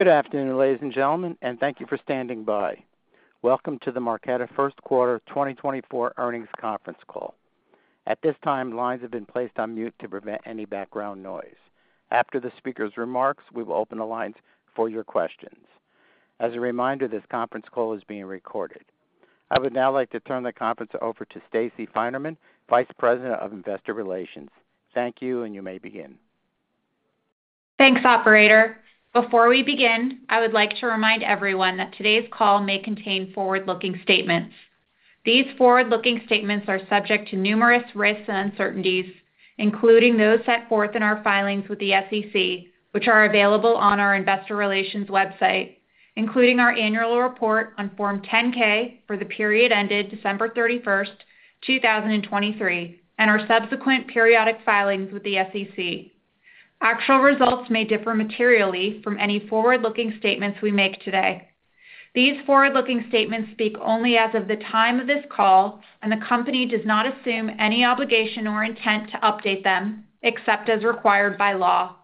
Good afternoon, ladies and gentlemen, and thank you for standing by. Welcome to the Marqeta First Quarter 2024 earnings conference call. At this time, lines have been placed on mute to prevent any background noise. After the speaker's remarks, we will open the lines for your questions. As a reminder, this conference call is being recorded. I would now like to turn the conference over to Stacey Finerman, Vice President of Investor Relations. Thank you, and you may begin. Thanks, Operator. Before we begin, I would like to remind everyone that today's call may contain forward-looking statements. These forward-looking statements are subject to numerous risks and uncertainties, including those set forth in our filings with the SEC, which are available on our Investor Relations website, including our annual report on Form 10-K for the period ended December 31, 2023, and our subsequent periodic filings with the SEC. Actual results may differ materially from any forward-looking statements we make today. These forward-looking statements speak only as of the time of this call, and the company does not assume any obligation or intent to update them except as required by law.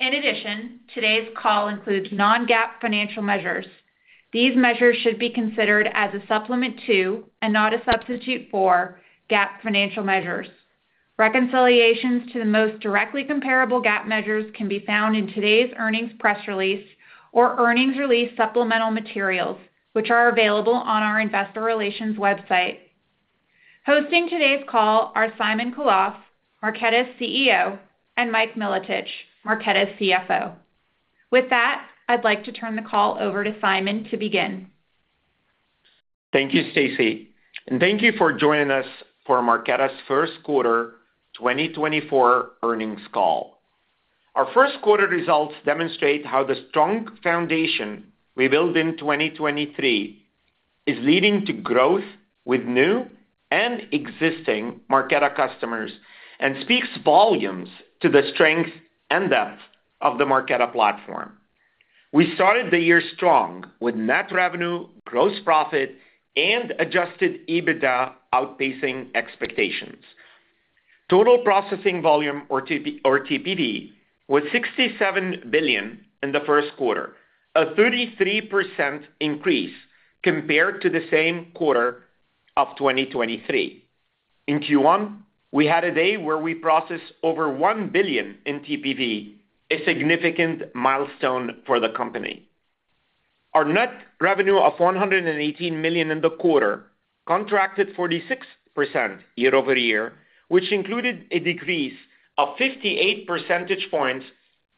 In addition, today's call includes non-GAAP financial measures. These measures should be considered as a supplement to and not a substitute for GAAP financial measures. Reconciliations to the most directly comparable GAAP measures can be found in today's earnings press release or earnings release supplemental materials, which are available on our Investor Relations website. Hosting today's call are Simon Khalaf, Marqeta's CEO, and Mike Milotich, Marqeta's CFO. With that, I'd like to turn the call over to Simon to begin. Thank you, Stacey. And thank you for joining us for Marqeta's First Quarter 2024 earnings call. Our first quarter results demonstrate how the strong foundation we built in 2023 is leading to growth with new and existing Marqeta customers and speaks volumes to the strength and depth of the Marqeta platform. We started the year strong with net revenue, gross profit, and adjusted EBITDA outpacing expectations. Total processing volume, or TPV, was $67 billion in the first quarter, a 33% increase compared to the same quarter of 2023. In Q1, we had a day where we processed over $1 billion in TPV, a significant milestone for the company. Our net revenue of $118 million in the quarter contracted 46% year-over-year, which included a decrease of 58 percentage points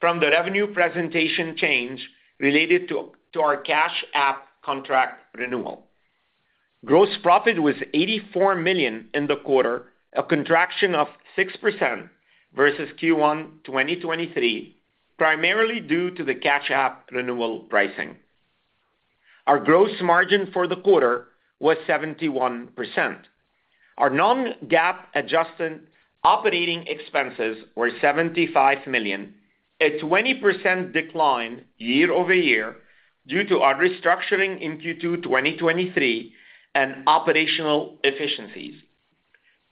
from the revenue presentation change related to our Cash App contract renewal. Gross profit was $84 million in the quarter, a contraction of 6% versus Q1 2023, primarily due to the Cash App renewal pricing. Our gross margin for the quarter was 71%. Our non-GAAP adjusted operating expenses were $75 million, a 20% decline year-over-year due to our restructuring in Q2 2023 and operational efficiencies.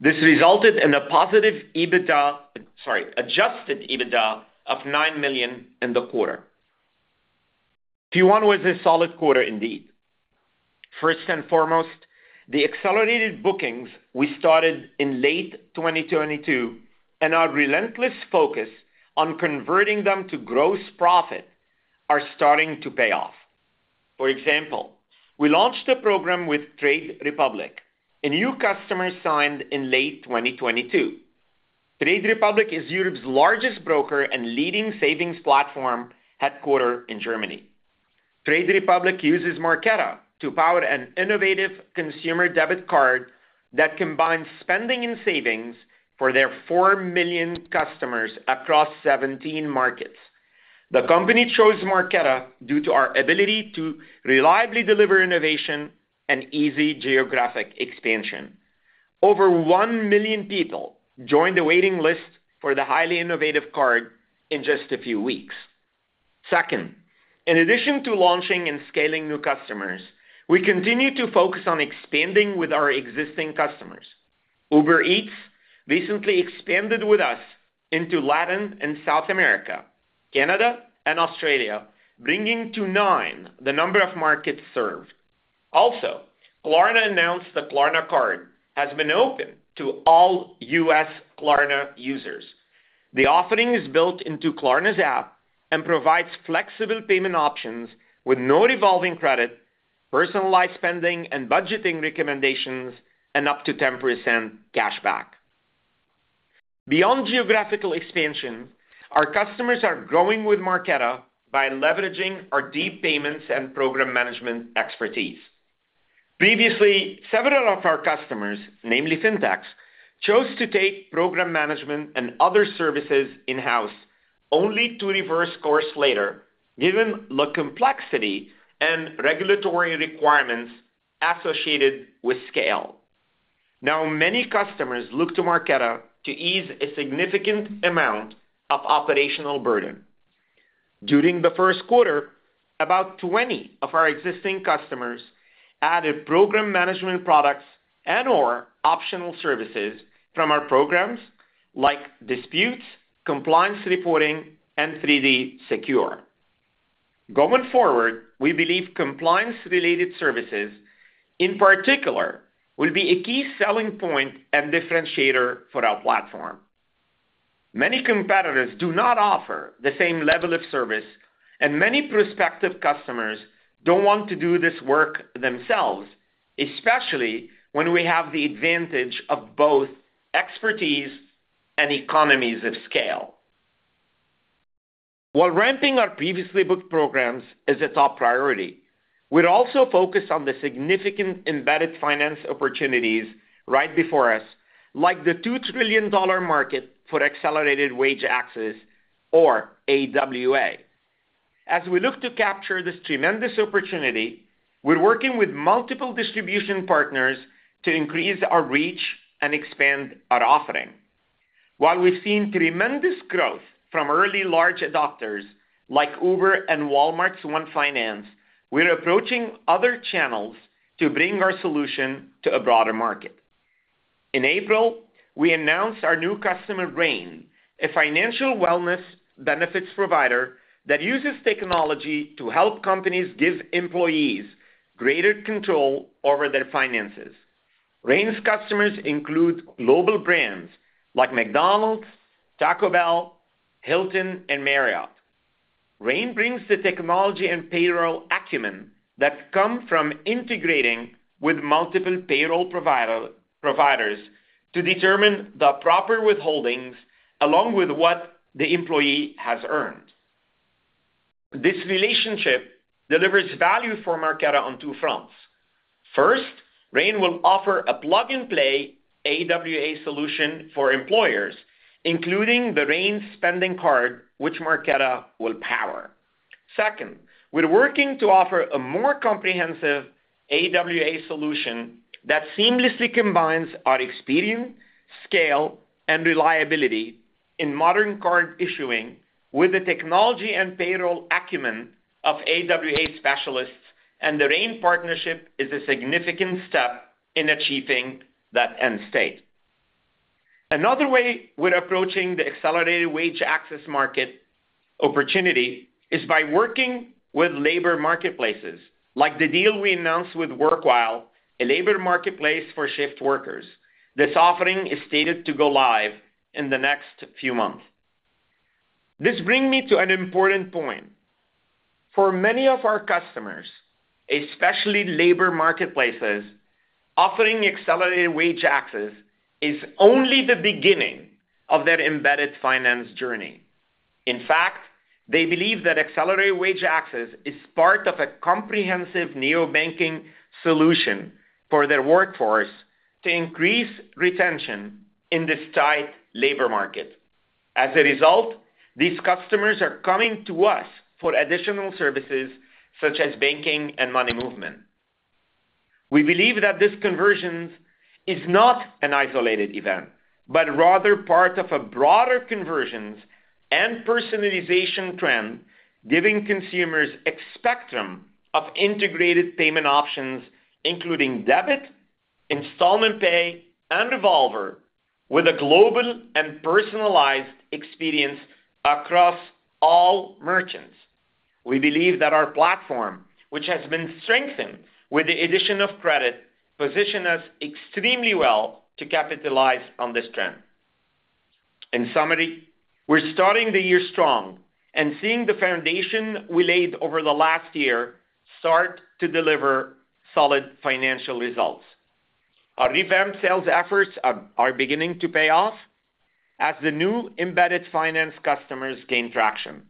This resulted in a positive EBITDA, sorry, adjusted EBITDA, of $9 million in the quarter. Q1 was a solid quarter, indeed. First and foremost, the accelerated bookings we started in late 2022 and our relentless focus on converting them to gross profit are starting to pay off. For example, we launched a program with Trade Republic. A new customer signed in late 2022. Trade Republic is Europe's largest broker and leading savings platform headquartered in Germany. Trade Republic uses Marqeta to power an innovative consumer debit card that combines spending and savings for their 4 million customers across 17 markets. The company chose Marqeta due to our ability to reliably deliver innovation and easy geographic expansion. Over 1 million people joined the waiting list for the highly innovative card in just a few weeks. Second, in addition to launching and scaling new customers, we continue to focus on expanding with our existing customers. Uber Eats recently expanded with us into Latin and South America, Canada, and Australia, bringing to nine the number of markets served. Also, Klarna announced the Klarna Card has been open to all U.S. Klarna users. The offering is built into Klarna's app and provides flexible payment options with no revolving credit, personalized spending and budgeting recommendations, and up to 10% cashback. Beyond geographical expansion, our customers are growing with Marqeta by leveraging our deep payments and program management expertise. Previously, several of our customers, namely fintechs, chose to take program management and other services in-house only to reverse course later, given the complexity and regulatory requirements associated with scale. Now, many customers look to Marqeta to ease a significant amount of operational burden. During the first quarter, about 20 of our existing customers added program management products and/or optional services from our programs, like disputes, compliance reporting, and 3D Secure. Going forward, we believe compliance-related services, in particular, will be a key selling point and differentiator for our platform. Many competitors do not offer the same level of service, and many prospective customers don't want to do this work themselves, especially when we have the advantage of both expertise and economies of scale. While ramping our previously booked programs is a top priority, we'd also focus on the significant embedded finance opportunities right before us, like the $2 trillion market for accelerated wage access, or AWA. As we look to capture this tremendous opportunity, we're working with multiple distribution partners to increase our reach and expand our offering. While we've seen tremendous growth from early large adopters like Uber and Walmart's One Finance, we're approaching other channels to bring our solution to a broader market. In April, we announced our new customer, Rain, a financial wellness benefits provider that uses technology to help companies give employees greater control over their finances. Rain's customers include global brands like McDonald's, Taco Bell, Hilton, and Marriott. Rain brings the technology and payroll acumen that come from integrating with multiple payroll providers to determine the proper withholdings along with what the employee has earned. This relationship delivers value for Marqeta on two fronts. First, Rain will offer a plug-and-play AWA solution for employers, including the Rain spending card, which Marqeta will power. Second, we're working to offer a more comprehensive AWA solution that seamlessly combines our experience, scale, and reliability in modern card issuing with the technology and payroll acumen of AWA specialists, and the Rain partnership is a significant step in achieving that end state. Another way we're approaching the accelerated wage access market opportunity is by working with labor marketplaces, like the deal we announced with Workwhile, a labor marketplace for shift workers. This offering is stated to go live in the next few months. This brings me to an important point. For many of our customers, especially labor marketplaces, offering accelerated wage access is only the beginning of their embedded finance journey. In fact, they believe that accelerated wage access is part of a comprehensive neobanking solution for their workforce to increase retention in this tight labor market. As a result, these customers are coming to us for additional services such as banking and money movement. We believe that this conversion is not an isolated event but rather part of a broader conversions and personalization trend, giving consumers a spectrum of integrated payment options, including debit, installment pay, and revolver, with a global and personalized experience across all merchants. We believe that our platform, which has been strengthened with the addition of credit, positions us extremely well to capitalize on this trend. In summary, we're starting the year strong and seeing the foundation we laid over the last year start to deliver solid financial results. Our revamped sales efforts are beginning to pay off as the new embedded finance customers gain traction.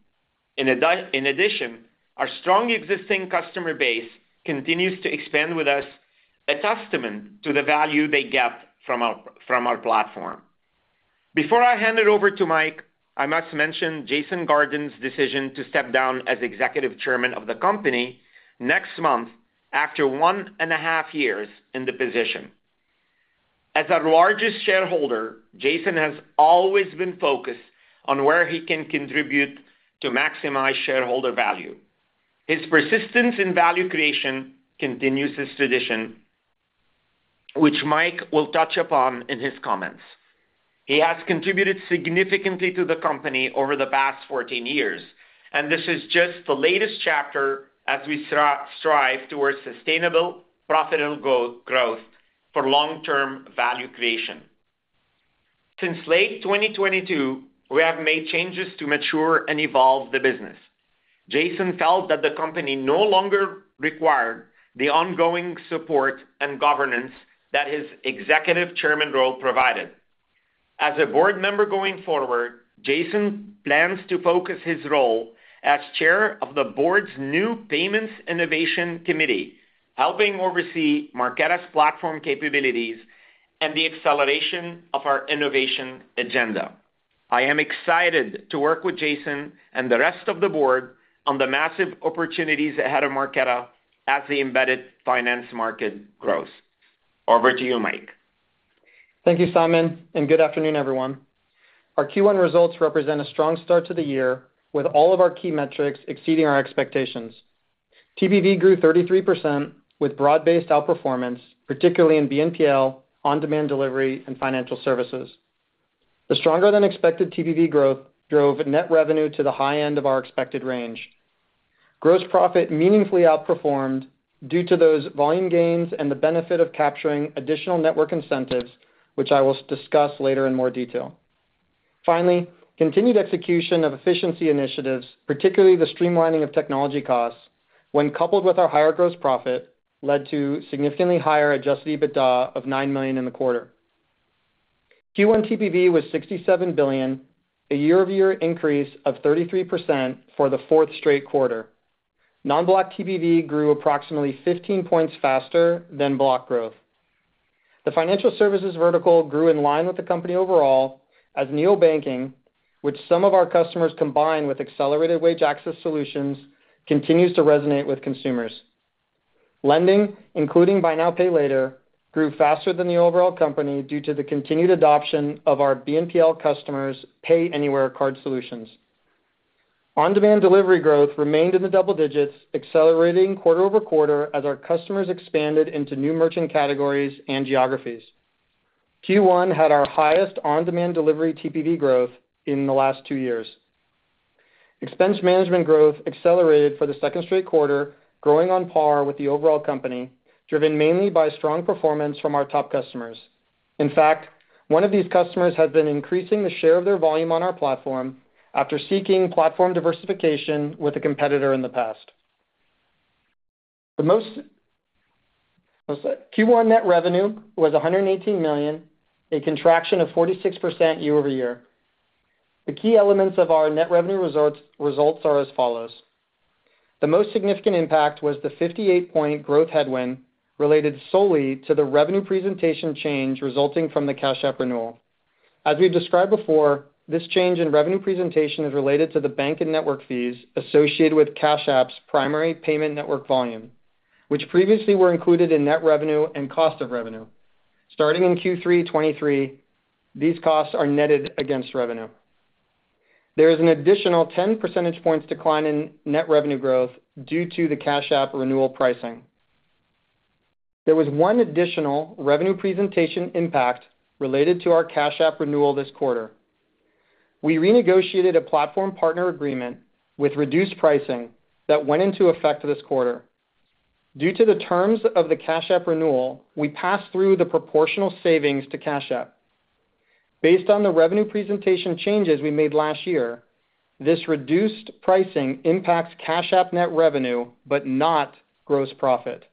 In addition, our strong existing customer base continues to expand with us, a testament to the value they get from our platform. Before I hand it over to Mike, I must mention Jason Gardner's decision to step down as Executive Chairman of the company next month after one and a half years in the position. As our largest shareholder, Jason has always been focused on where he can contribute to maximize shareholder value. His persistence in value creation continues his tradition, which Mike will touch upon in his comments. He has contributed significantly to the company over the past 14 years, and this is just the latest chapter as we strive toward sustainable, profitable growth for long-term value creation. Since late 2022, we have made changes to mature and evolve the business. Jason felt that the company no longer required the ongoing support and governance that his executive chairman role provided. As a board member going forward, Jason plans to focus his role as chair of the board's new Payments Innovation Committee, helping oversee Marqeta's platform capabilities and the acceleration of our innovation agenda. I am excited to work with Jason and the rest of the board on the massive opportunities ahead of Marqeta as the embedded finance market grows. Over to you, Mike. Thank you, Simon, and good afternoon, everyone. Our Q1 results represent a strong start to the year, with all of our key metrics exceeding our expectations. TPV grew 33% with broad-based outperformance, particularly in BNPL, on-demand delivery, and financial services. The stronger-than-expected TPV growth drove net revenue to the high end of our expected range. Gross profit meaningfully outperformed due to those volume gains and the benefit of capturing additional network incentives, which I will discuss later in more detail. Finally, continued execution of efficiency initiatives, particularly the streamlining of technology costs, when coupled with our higher gross profit, led to significantly higher Adjusted EBITDA of $9 million in the quarter. Q1 TPV was $67 billion, a year-over-year increase of 33% for the fourth straight quarter. Non-Block TPV grew approximately 15 points faster than Block growth. The financial services vertical grew in line with the company overall, as neobanking, which some of our customers combine with accelerated wage access solutions, continues to resonate with consumers. Lending, including Buy Now Pay Later, grew faster than the overall company due to the continued adoption of our BNPL customers' Pay Anywhere card solutions. On-demand delivery growth remained in the double digits, accelerating quarter-over-quarter as our customers expanded into new merchant categories and geographies. Q1 had our highest on-demand delivery TPV growth in the last two years. Expense management growth accelerated for the second straight quarter, growing on par with the overall company, driven mainly by strong performance from our top customers. In fact, one of these customers has been increasing the share of their volume on our platform after seeking platform diversification with a competitor in the past. Q1 net revenue was $118 million, a contraction of 46% year-over-year. The key elements of our net revenue results are as follows. The most significant impact was the 58-point growth headwind related solely to the revenue presentation change resulting from the Cash App renewal. As we've described before, this change in revenue presentation is related to the bank and network fees associated with Cash App's primary payment network volume, which previously were included in net revenue and cost of revenue. Starting in Q3 2023, these costs are netted against revenue. There is an additional 10 percentage points decline in net revenue growth due to the Cash App renewal pricing. There was one additional revenue presentation impact related to our Cash App renewal this quarter. We renegotiated a platform partner agreement with reduced pricing that went into effect this quarter. Due to the terms of the Cash App renewal, we passed through the proportional savings to Cash App. Based on the revenue presentation changes we made last year, this reduced pricing impacts Cash App net revenue but not gross profit.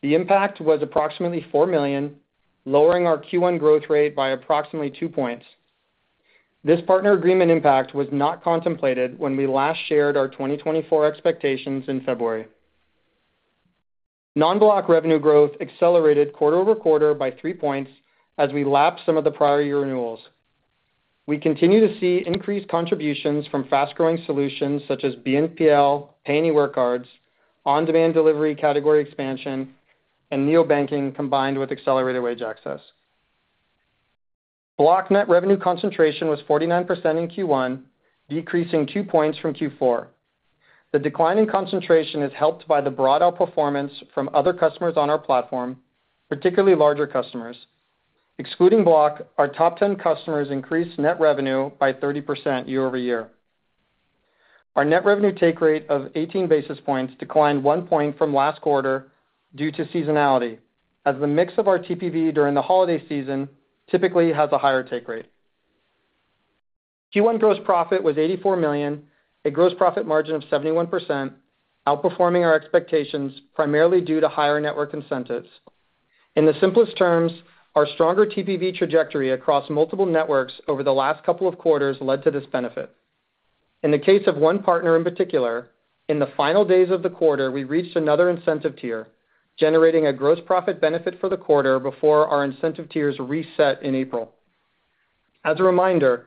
The impact was approximately $4 million, lowering our Q1 growth rate by approximately two points. This partner agreement impact was not contemplated when we last shared our 2024 expectations in February. Non-Block revenue growth accelerated quarter-over-quarter by 3 points as we lapped some of the prior year renewals. We continue to see increased contributions from fast-growing solutions such as BNPL, Pay Anywhere cards, on-demand delivery category expansion, and neobanking combined with Accelerated Wage Access. Block net revenue concentration was 49% in Q1, decreasing two points from Q4. The declining concentration is helped by the broad outperformance from other customers on our platform, particularly larger customers. Excluding Block, our top 10 customers increased net revenue by 30% year-over-year. Our net revenue take rate of 18 basis points declined one point from last quarter due to seasonality, as the mix of our TPV during the holiday season typically has a higher take rate. Q1 gross profit was $84 million, a gross profit margin of 71%, outperforming our expectations primarily due to higher network incentives. In the simplest terms, our stronger TPV trajectory across multiple networks over the last couple of quarters led to this benefit. In the case of one partner in particular, in the final days of the quarter, we reached another incentive tier, generating a gross profit benefit for the quarter before our incentive tiers reset in April. As a reminder,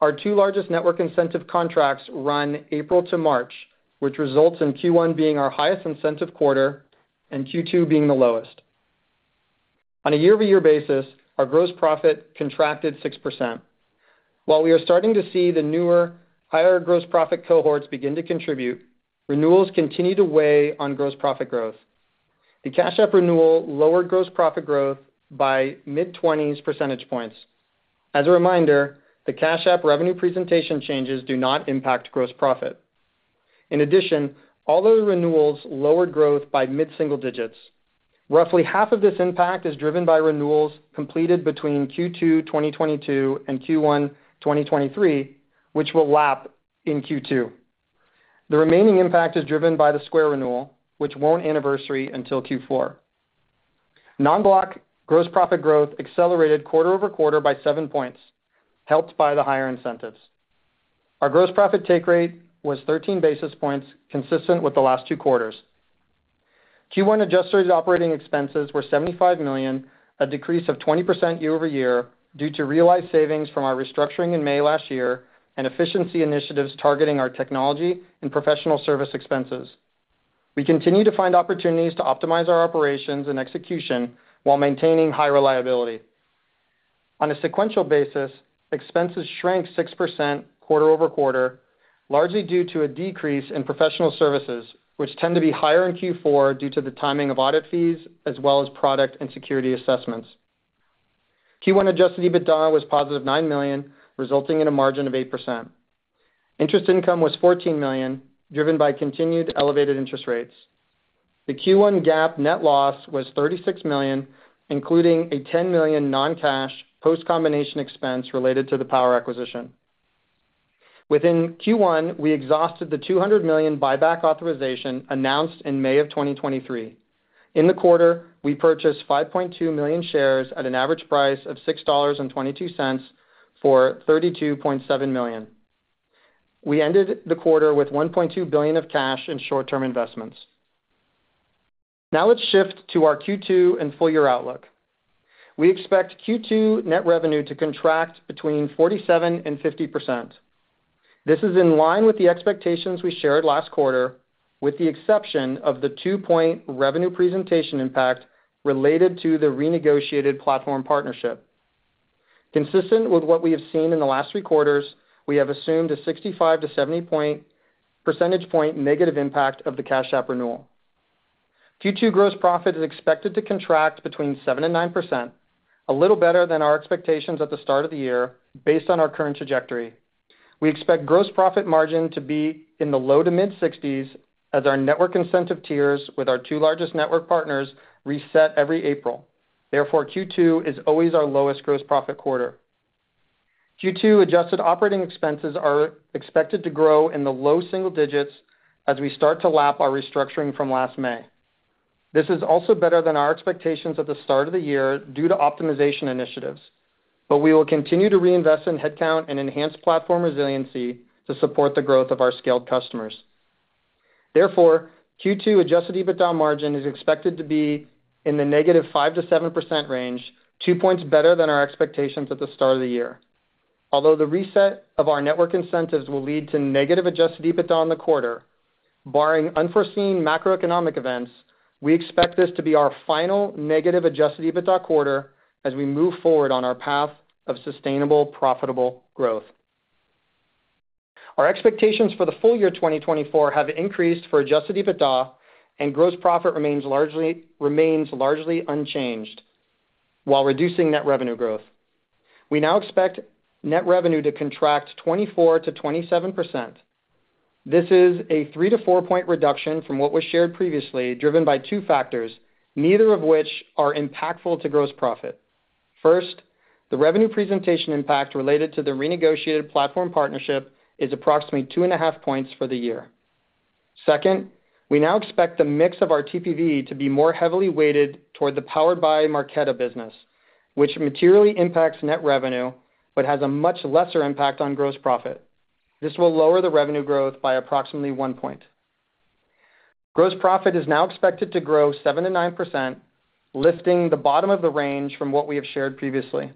our two largest network incentive contracts run April to March, which results in Q1 being our highest incentive quarter and Q2 being the lowest. On a year-over-year basis, our gross profit contracted 6%. While we are starting to see the newer, higher gross profit cohorts begin to contribute, renewals continue to weigh on gross profit growth. The Cash App renewal lowered gross profit growth by mid-20s percentage points. As a reminder, the Cash App revenue presentation changes do not impact gross profit. In addition, all other renewals lowered growth by mid-single digits. Roughly half of this impact is driven by renewals completed between Q2 2022 and Q1 2023, which will lap in Q2. The remaining impact is driven by the Square renewal, which won't anniversary until Q4. Non-Block gross profit growth accelerated quarter-over-quarter by seven points, helped by the higher incentives. Our gross profit take rate was 13 basis points, consistent with the last two quarters. Q1 adjusted operating expenses were $75 million, a decrease of 20% year-over-year due to realized savings from our restructuring in May last year and efficiency initiatives targeting our technology and professional service expenses. We continue to find opportunities to optimize our operations and execution while maintaining high reliability. On a sequential basis, expenses shrank 6% quarter-over-quarter, largely due to a decrease in professional services, which tend to be higher in Q4 due to the timing of audit fees as well as product and security assessments. Q1 adjusted EBITDA was positive $9 million, resulting in a margin of 8%. Interest income was $14 million, driven by continued elevated interest rates. The Q1 GAAP net loss was $36 million, including a $10 million non-cash post-combination expense related to the Power acquisition. Within Q1, we exhausted the $200 million buyback authorization announced in May of 2023. In the quarter, we purchased 5.2 million shares at an average price of $6.22 for $32.7 million. We ended the quarter with $1.2 billion of cash in short-term investments. Now let's shift to our Q2 and full-year outlook. We expect Q2 net revenue to contract between 47%-50%. This is in line with the expectations we shared last quarter, with the exception of the two point revenue presentation impact related to the renegotiated platform partnership. Consistent with what we have seen in the last three quarters, we have assumed a 65%-70% percentage point negative impact of the Cash App renewal. Q2 gross profit is expected to contract between 7%-9%, a little better than our expectations at the start of the year based on our current trajectory. We expect gross profit margin to be in the low to mid-60s as our network incentive tiers with our two largest network partners reset every April. Therefore, Q2 is always our lowest gross profit quarter. Q2 adjusted operating expenses are expected to grow in the low single digits as we start to lap our restructuring from last May. This is also better than our expectations at the start of the year due to optimization initiatives, but we will continue to reinvest in headcount and enhance platform resiliency to support the growth of our scaled customers. Therefore, Q2 adjusted EBITDA margin is expected to be in the negative 5%-7% range, two points better than our expectations at the start of the year. Although the reset of our network incentives will lead to negative adjusted EBITDA in the quarter, barring unforeseen macroeconomic events, we expect this to be our final negative adjusted EBITDA quarter as we move forward on our path of sustainable, profitable growth. Our expectations for the full-year 2024 have increased for adjusted EBITDA, and gross profit remains largely unchanged while reducing net revenue growth. We now expect net revenue to contract 24%-27%. This is a 3%-4% point reduction from what was shared previously, driven by two factors, neither of which are impactful to gross profit. First, the revenue presentation impact related to the renegotiated platform partnership is approximately 2.5 points for the year. Second, we now expect the mix of our TPV to be more heavily weighted toward the powered by Marqeta business, which materially impacts net revenue but has a much lesser impact on gross profit. This will lower the revenue growth by approximately one point. Gross profit is now expected to grow 7%-9%, lifting the bottom of the range from what we have shared previously.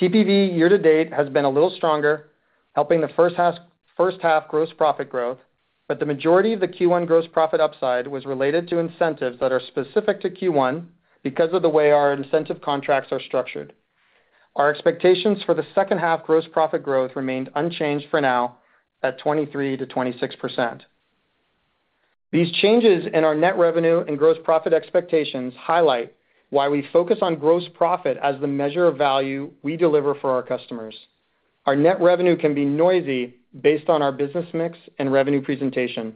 TPV year to date has been a little stronger, helping the first half gross profit growth, but the majority of the Q1 gross profit upside was related to incentives that are specific to Q1 because of the way our incentive contracts are structured. Our expectations for the second half gross profit growth remained unchanged for now at 23%-26%. These changes in our net revenue and gross profit expectations highlight why we focus on gross profit as the measure of value we deliver for our customers. Our net revenue can be noisy based on our business mix and revenue presentation.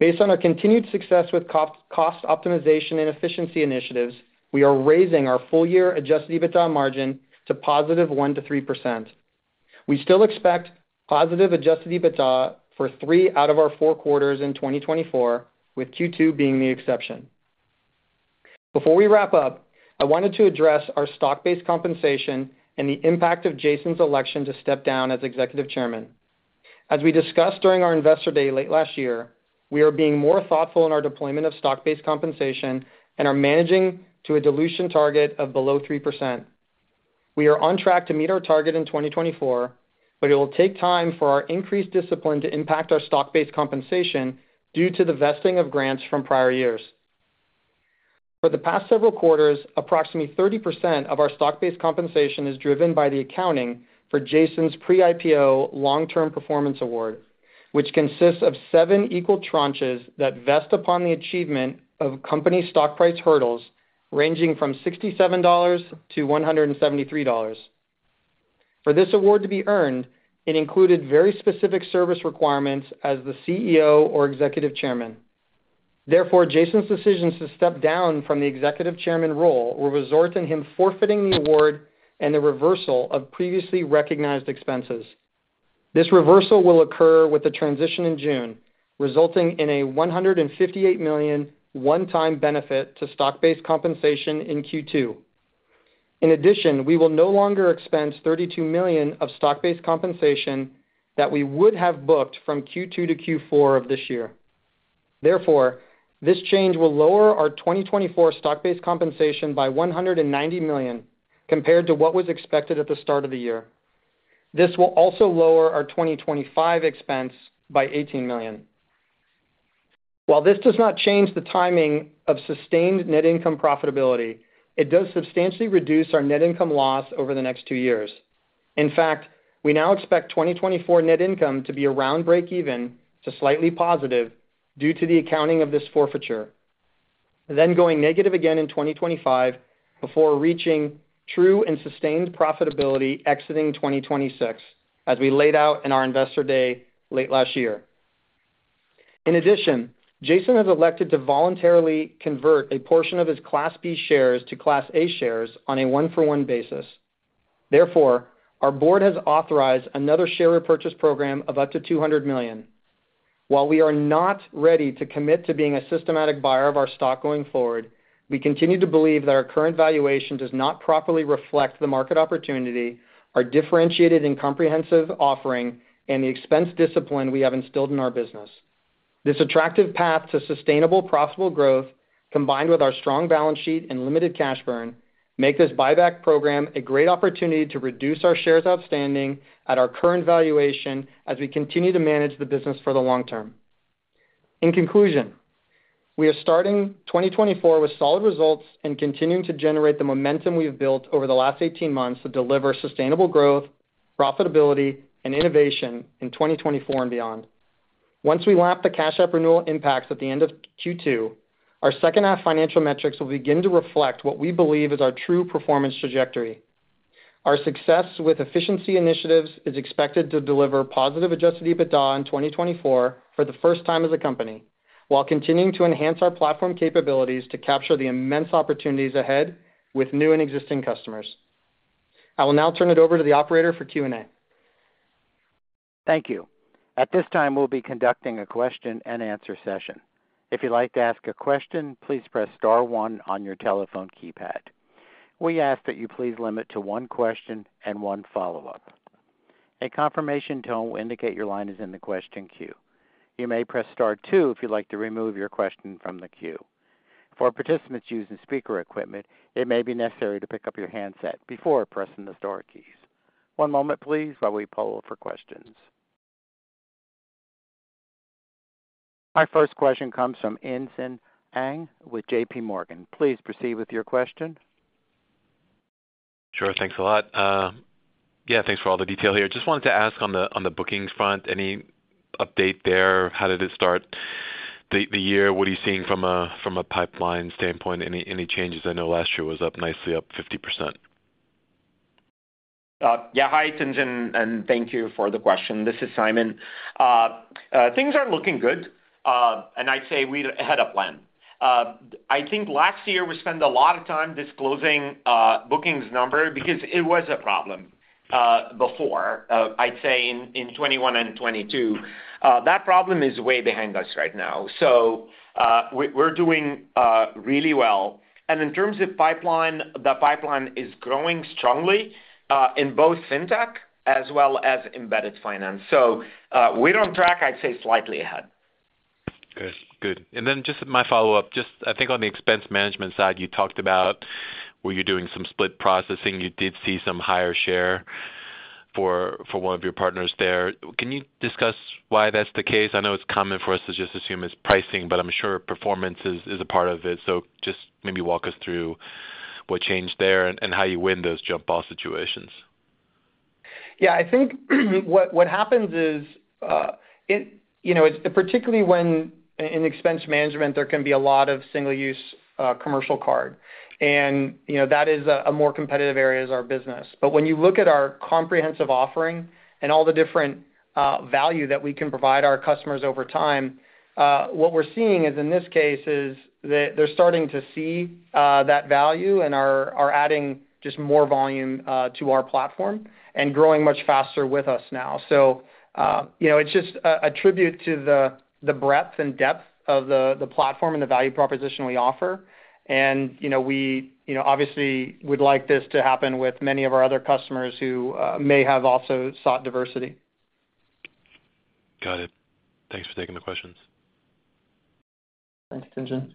Based on our continued success with cost optimization and efficiency initiatives, we are raising our full-year adjusted EBITDA margin to positive 1%-3%. We still expect positive adjusted EBITDA for three out of our four quarters in 2024, with Q2 being the exception. Before we wrap up, I wanted to address our stock-based compensation and the impact of Jason's election to step down as executive chairman. As we discussed during our investor day late last year, we are being more thoughtful in our deployment of stock-based compensation and are managing to a dilution target of below 3%. We are on track to meet our target in 2024, but it will take time for our increased discipline to impact our stock-based compensation due to the vesting of grants from prior years. For the past several quarters, approximately 30% of our stock-based compensation is driven by the accounting for Jason's pre-IPO long-term performance award, which consists of seven equal tranches that vest upon the achievement of company stock price hurdles ranging from $67-$173. For this award to be earned, it included very specific service requirements as the CEO or executive chairman. Therefore, Jason's decisions to step down from the executive chairman role were resorting to him forfeiting the award and the reversal of previously recognized expenses. This reversal will occur with the transition in June, resulting in a $158 million one-time benefit to stock-based compensation in Q2. In addition, we will no longer expense $32 million of stock-based compensation that we would have booked from Q2 to Q4 of this year. Therefore, this change will lower our 2024 stock-based compensation by $190 million compared to what was expected at the start of the year. This will also lower our 2025 expense by $18 million. While this does not change the timing of sustained net income profitability, it does substantially reduce our net income loss over the next two years. In fact, we now expect 2024 net income to be around break-even to slightly positive due to the accounting of this forfeiture, then going negative again in 2025 before reaching true and sustained profitability exiting 2026 as we laid out in our investor day late last year. In addition, Jason has elected to voluntarily convert a portion of his Class B shares to Class A shares on a 1-for-1 basis. Therefore, our board has authorized another share repurchase program of up to $200 million. While we are not ready to commit to being a systematic buyer of our stock going forward, we continue to believe that our current valuation does not properly reflect the market opportunity, our differentiated and comprehensive offering, and the expense discipline we have instilled in our business. This attractive path to sustainable, profitable growth, combined with our strong balance sheet and limited cash burn, make this buyback program a great opportunity to reduce our shares outstanding at our current valuation as we continue to manage the business for the long term. In conclusion, we are starting 2024 with solid results and continuing to generate the momentum we have built over the last 18 months to deliver sustainable growth, profitability, and innovation in 2024 and beyond. Once we lap the Cash App renewal impacts at the end of Q2, our second half financial metrics will begin to reflect what we believe is our true performance trajectory. Our success with efficiency initiatives is expected to deliver positive adjusted EBITDA in 2024 for the first time as a company, while continuing to enhance our platform capabilities to capture the immense opportunities ahead with new and existing customers. I will now turn it over to the operator for Q&A. Thank you. At this time, we'll be conducting a question and answer session. If you'd like to ask a question, please press star one on your telephone keypad. We ask that you please limit to one question and one follow-up. A confirmation tone will indicate your line is in the question queue. You may press star two if you'd like to remove your question from the queue. For participants using speaker equipment, it may be necessary to pick up your handset before pressing the star keys. One moment, please, while we pull up for questions. My first question comes from Anson Pang with JPMorgan. Please proceed with your question. Sure. Thanks a lot. Yeah, thanks for all the detail here. Just wanted to ask on the bookings front, any update there? How did it start the year? What are you seeing from a pipeline standpoint? Any changes? I know last year was up nicely, up 50%. Yeah. Hi, Anson, and thank you for the question. This is Simon. Things are looking good, and I'd say we're ahead of plan. I think last year we spent a lot of time disclosing bookings number because it was a problem before, I'd say, in 2021 and 2022. That problem is way behind us right now. So we're doing really well. And in terms of pipeline, the pipeline is growing strongly in both fintech as well as embedded finance. So we're on track, I'd say, slightly ahead. Good. Good. And then just my follow-up, I think on the expense management side, you talked about where you're doing some split processing. You did see some higher share for one of your partners there. Can you discuss why that's the case? I know it's common for us to just assume it's pricing, but I'm sure performance is a part of it. So just maybe walk us through what changed there and how you win those jump-off situations. Yeah. I think what happens is, particularly in expense management, there can be a lot of single-use commercial card. And that is a more competitive area as our business. But when you look at our comprehensive offering and all the different value that we can provide our customers over time, what we're seeing is, in this case, is that they're starting to see that value and are adding just more volume to our platform and growing much faster with us now. So it's just a tribute to the breadth and depth of the platform and the value proposition we offer. And we obviously would like this to happen with many of our other customers who may have also sought diversity. Got it. Thanks for taking the questions. Thanks, Anson.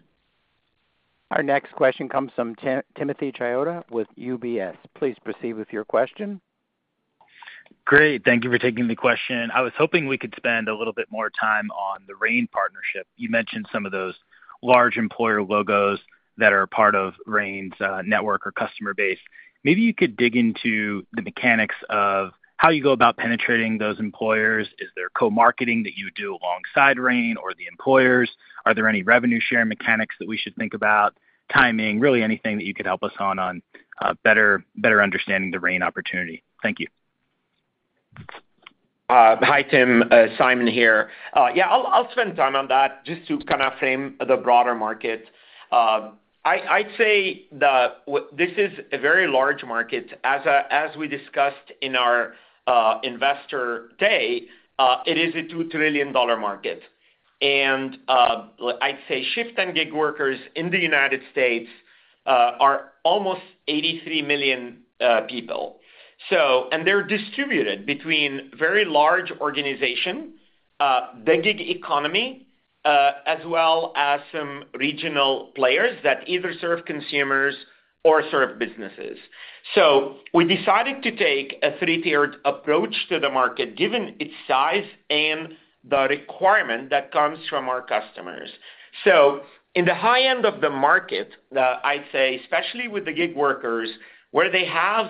Our next question comes from Timothy Chiodo with UBS. Please proceed with your question. Great. Thank you for taking the question. I was hoping we could spend a little bit more time on the Rain partnership. You mentioned some of those large employer logos that are a part of Rain's network or customer base. Maybe you could dig into the mechanics of how you go about penetrating those employers. Is there co-marketing that you do alongside Rain or the employers? Are there any revenue share mechanics that we should think about? Timing, really anything that you could help us on better understanding the Rain opportunity. Thank you. Hi, Tim. Simon here. Yeah, I'll spend time on that just to kind of frame the broader market. I'd say that this is a very large market. As we discussed in our investor day, it is a $2 trillion market. I'd say shift-and-gig workers in the United States are almost 83 million people. They're distributed between very large organizations, the gig economy, as well as some regional players that either serve consumers or serve businesses. We decided to take a three-tiered approach to the market given its size and the requirement that comes from our customers. In the high end of the market, I'd say, especially with the gig workers, where they have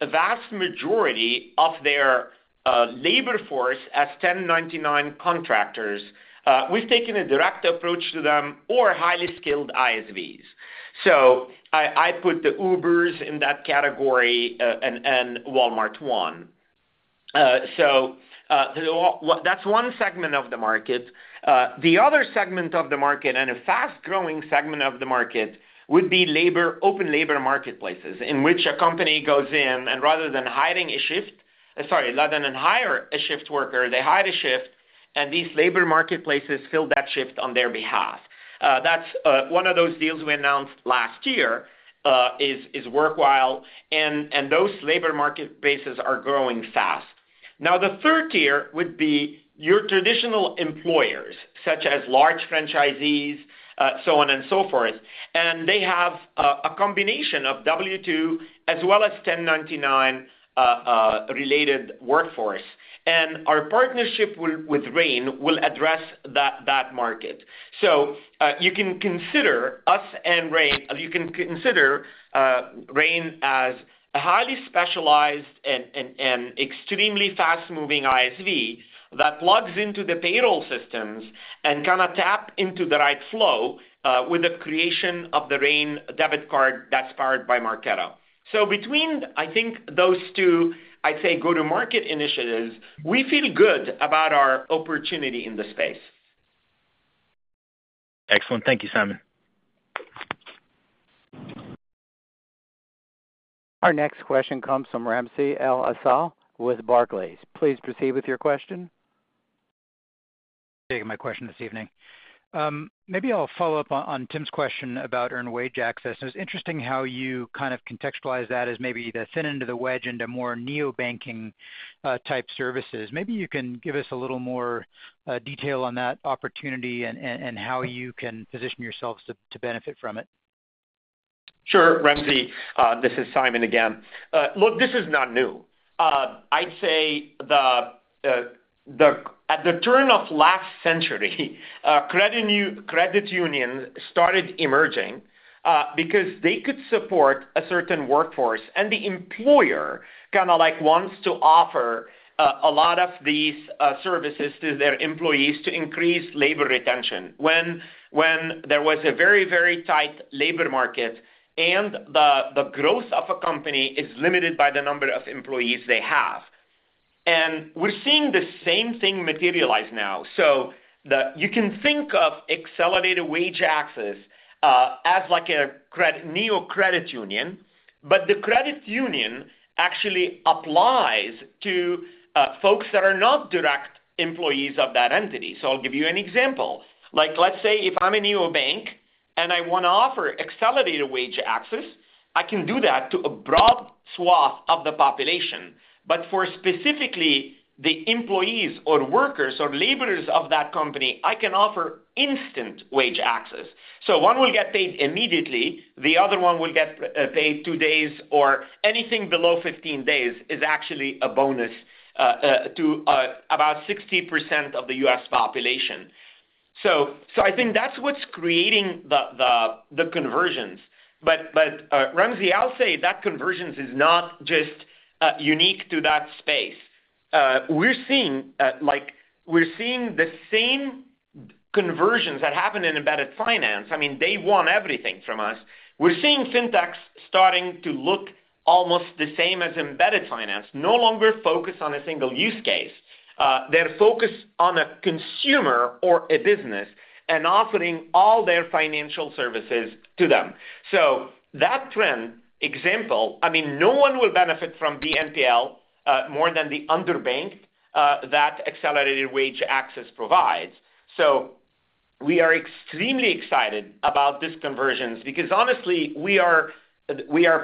a vast majority of their labor force as 1099 contractors, we've taken a direct approach to them or highly skilled ISVs. I put the Ubers in that category and Walmart ONE. That's one segment of the market. The other segment of the market and a fast-growing segment of the market would be open labor marketplaces in which a company goes in, and rather than hiring a shift sorry, rather than hire a shift worker, they hire a shift, and these labor marketplaces fill that shift on their behalf. One of those deals we announced last year is Workwhile, and those labor marketplaces are growing fast. Now, the third tier would be your traditional employers such as large franchisees, so on and so forth. They have a combination of W-2 as well as 1099-related workforce. Our partnership with Rain will address that market. So you can consider us and Rain. You can consider Rain as a highly specialized and extremely fast-moving ISV that plugs into the payroll systems and kind of taps into the right flow with the creation of the Rain debit card that's powered by Marqeta. So between, I think, those two, I'd say, go-to-market initiatives, we feel good about our opportunity in the space. Excellent. Thank you, Simon. Our next question comes from Ramsey El-Assal with Barclays. Please proceed with your question. Taking my question this evening. Maybe I'll follow up on Tim's question about earned wage access. It was interesting how you kind of contextualized that as maybe the thin end of the wedge into more neobanking-type services. Maybe you can give us a little more detail on that opportunity and how you can position yourselves to benefit from it. Sure, Ramsey. This is Simon again. Look, this is not new. I'd say at the turn of last century, credit unions started emerging because they could support a certain workforce, and the employer kind of wants to offer a lot of these services to their employees to increase labor retention when there was a very, very tight labor market and the growth of a company is limited by the number of employees they have. We're seeing the same thing materialize now. You can think of accelerated wage access as a neocredit union, but the credit union actually applies to folks that are not direct employees of that entity. I'll give you an example. Let's say if I'm a neobank and I want to offer accelerated wage access, I can do that to a broad swath of the population. But for specifically the employees or workers or laborers of that company, I can offer instant wage access. So one will get paid immediately. The other one will get paid two days or anything below 15 days is actually a bonus to about 60% of the U.S. population. So I think that's what's creating the conversions. But Ramsey, I'll say that conversions is not just unique to that space. We're seeing the same conversions that happen in embedded finance. I mean, they want everything from us. We're seeing fintechs starting to look almost the same as embedded finance, no longer focus on a single use case. They're focused on a consumer or a business and offering all their financial services to them. So that trend example, I mean, no one will benefit from BNPL more than the underbanked that accelerated wage access provides. So we are extremely excited about these conversions because, honestly, we are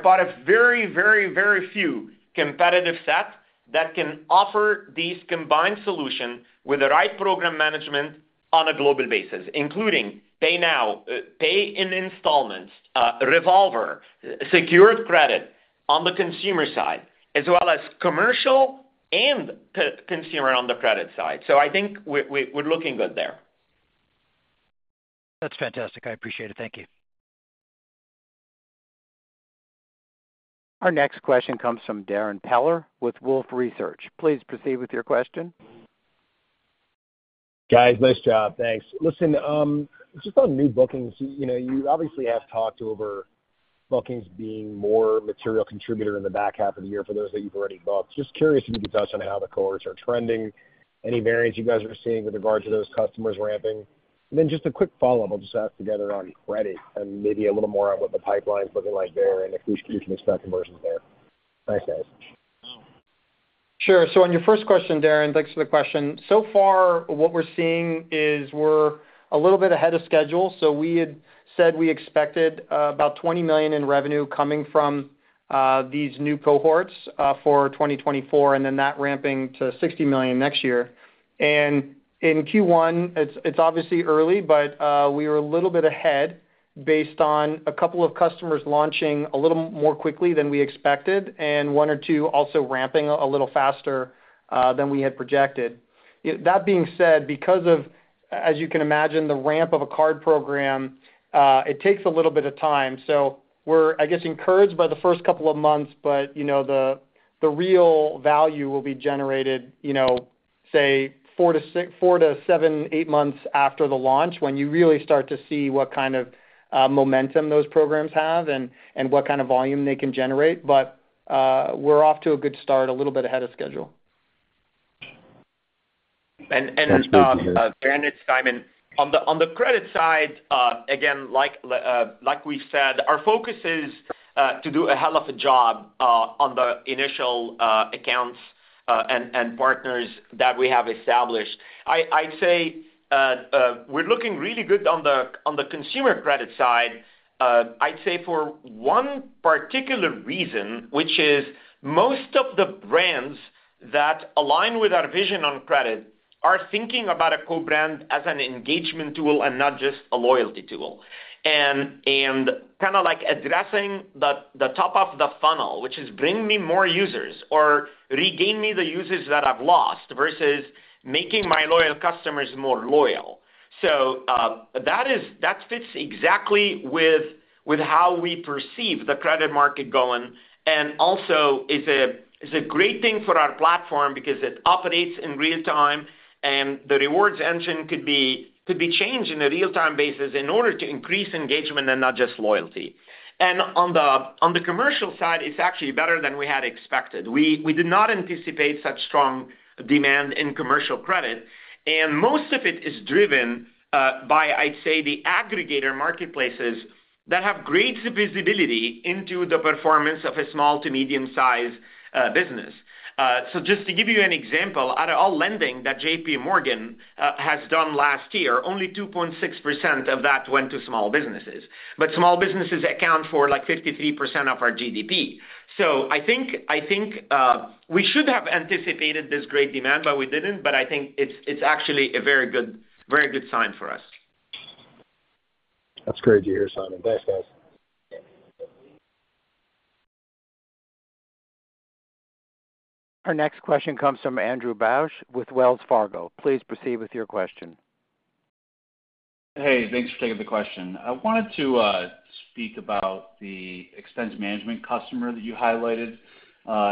part of very, very, very few competitive sets that can offer these combined solutions with the right program management on a global basis, including pay now, pay in installments, revolver, secured credit on the consumer side, as well as commercial and consumer on the credit side. So I think we're looking good there. That's fantastic. I appreciate it. Thank you. Our next question comes from Darrin Peller with Wolfe Research. Please proceed with your question. Guys, nice job. Thanks. Listen, just on new bookings, you obviously have talked over bookings being more material contributor in the back half of the year for those that you've already booked. Just curious if you could touch on how the cohorts are trending, any variance you guys are seeing with regard to those customers ramping. And then just a quick follow-up. I'll just ask together on credit and maybe a little more on what the pipeline's looking like there and if we can expect conversions there. Nice guys. Sure. So on your first question, Darrin, thanks for the question. So far, what we're seeing is we're a little bit ahead of schedule. So we had said we expected about $20 million in revenue coming from these new cohorts for 2024 and then that ramping to $60 million next year. And in Q1, it's obviously early, but we were a little bit ahead based on a couple of customers launching a little more quickly than we expected and one or two also ramping a little faster than we had projected. That being said, because of, as you can imagine, the ramp of a card program, it takes a little bit of time. So we're, I guess, encouraged by the first couple of months, but the real value will be generated, say, 4-7, eight months after the launch when you really start to see what kind of momentum those programs have and what kind of volume they can generate. But we're off to a good start, a little bit ahead of schedule. Darrin, it's Simon. On the credit side, again, like we said, our focus is to do a hell of a job on the initial accounts and partners that we have established. I'd say we're looking really good on the consumer credit side, I'd say, for one particular reason, which is most of the brands that align with our vision on credit are thinking about a co-brand as an engagement tool and not just a loyalty tool and kind of addressing the top of the funnel, which is bring me more users or regain me the users that I've lost versus making my loyal customers more loyal. So that fits exactly with how we perceive the credit market going and also is a great thing for our platform because it operates in real time, and the rewards engine could be changed on a real-time basis in order to increase engagement and not just loyalty. On the commercial side, it's actually better than we had expected. We did not anticipate such strong demand in commercial credit. Most of it is driven by, I'd say, the aggregator marketplaces that have great visibility into the performance of a small to medium-sized business. So just to give you an example, out of all lending that JPMorgan has done last year, only 2.6% of that went to small businesses. Small businesses account for 53% of our GDP. I think we should have anticipated this great demand, but we didn't. But I think it's actually a very good sign for us. That's great to hear, Simon. Thanks, guys. Our next question comes from Andrew Bauch with Wells Fargo. Please proceed with your question. Hey, thanks for taking the question. I wanted to speak about the expense management customer that you highlighted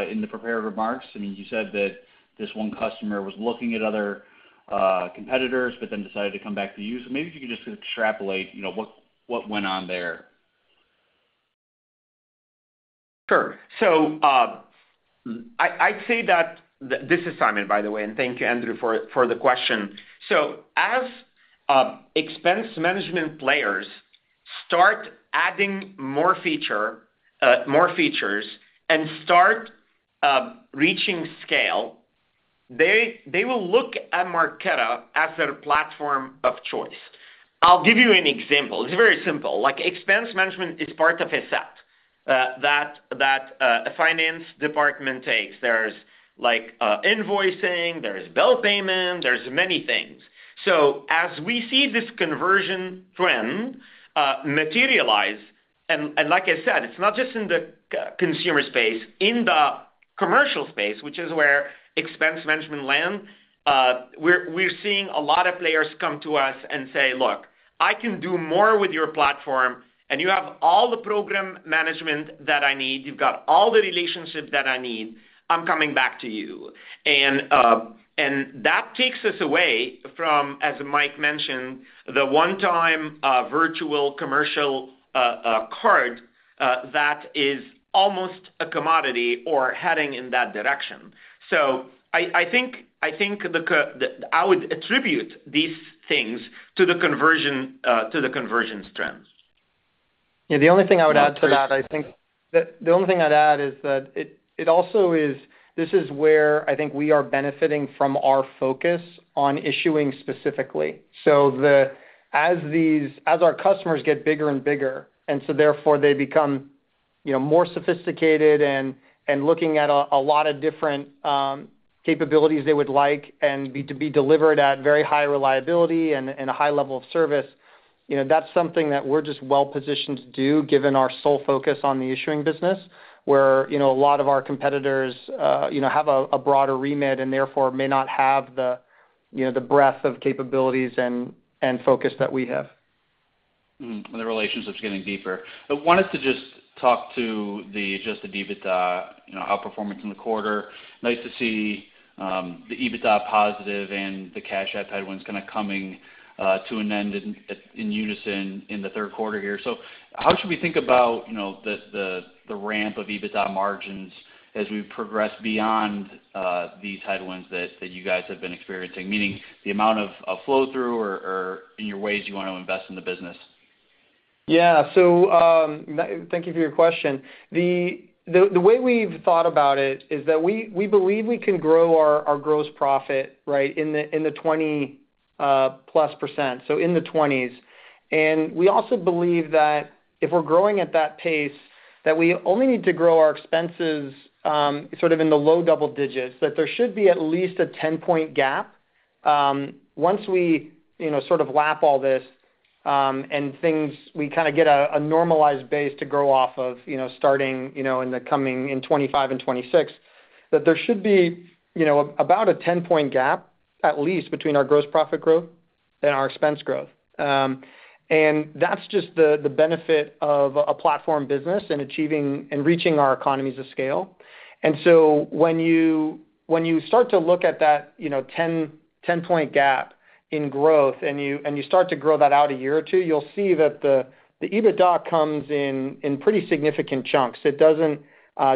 in the prepared remarks. I mean, you said that this one customer was looking at other competitors but then decided to come back to you. So maybe if you could just extrapolate what went on there. Sure. So I'd say that this is Simon, by the way. And thank you, Andrew, for the question. So as expense management players start adding more features and start reaching scale, they will look at Marqeta as their platform of choice. I'll give you an example. It's very simple. Expense management is part of a set that a finance department takes. There's invoicing. There's bill payment. There's many things. So as we see this conversion trend materialize and like I said, it's not just in the consumer space. In the commercial space, which is where expense management lands, we're seeing a lot of players come to us and say, "Look, I can do more with your platform, and you have all the program management that I need. You've got all the relationship that I need. I'm coming back to you." That takes us away from, as Mike mentioned, the one-time virtual commercial card that is almost a commodity or heading in that direction. So I think I would attribute these things to the conversion strength. Yeah, the only thing I would add to that, I think the only thing I'd add is that it also is. This is where I think we are benefiting from our focus on issuing specifically. So as our customers get bigger and bigger and so, therefore, they become more sophisticated and looking at a lot of different capabilities they would like and to be delivered at very high reliability and a high level of service, that's something that we're just well-positioned to do given our sole focus on the issuing business where a lot of our competitors have a broader remit and, therefore, may not have the breadth of capabilities and focus that we have. The relationship's getting deeper. I wanted to just talk to just the EBITDA outperformance in the quarter. Nice to see the EBITDA positive and the Cash App headwinds kind of coming to an end in unison in the third quarter here. How should we think about the ramp of EBITDA margins as we progress beyond these headwinds that you guys have been experiencing, meaning the amount of flow-through or in your ways you want to invest in the business? Yeah. So thank you for your question. The way we've thought about it is that we believe we can grow our gross profit, right, in the +20%, so in the 20s. And we also believe that if we're growing at that pace, that we only need to grow our expenses sort of in the low double digits, that there should be at least a 10-point gap once we sort of lap all this and we kind of get a normalized base to grow off of starting in the coming in 2025 and 2026, that there should be about a 10-point gap at least between our gross profit growth and our expense growth. And that's just the benefit of a platform business and reaching our economies of scale. And so when you start to look at that 10-point gap in growth and you start to grow that out a year or two, you'll see that the EBITDA comes in pretty significant chunks. It doesn't